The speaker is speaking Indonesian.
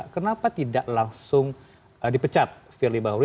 kenapa tidak langsung dipecat firly bahuri